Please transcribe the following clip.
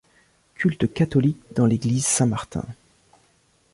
Culte catholique dans l'église Saint-Martin.